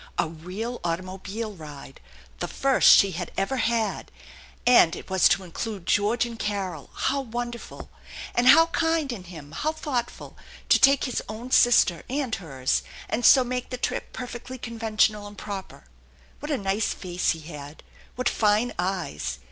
A real automobile ride! The first she had ever had! And it was to include George and Carol! How wonderful I And how kind in him, how thoughtful, to take his own sister ?l and hers, and so make the trip perfectly conventional and proper! What a nice face he had! What fine eyes!